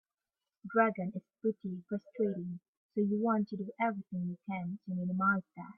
Dragon is pretty frustrating, so you want to do everything you can to minimize that.